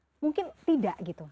sebenarnya mungkin tidak gitu